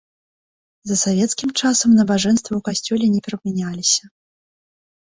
За савецкім часам набажэнствы ў касцёле не перапыняліся.